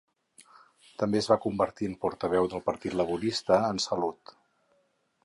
També es va convertir en portaveu del Partit Laborista en salut.